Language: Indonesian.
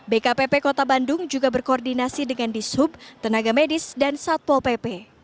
bkpp kota bandung juga berkoordinasi dengan dishub tenaga medis dan satpol pp